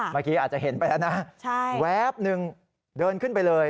เมื่อกี้อาจจะเห็นไปแล้วนะแวบนึงเดินขึ้นไปเลย